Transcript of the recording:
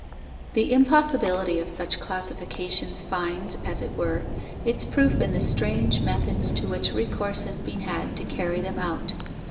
The impossibility of such classifications finds, as it were, its proof in the strange methods to which recourse has been had to carry them out.